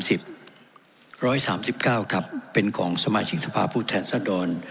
ร้อยสามสิบเก้าครับเป็นของสมาชิกสภาพผู้แทนสดร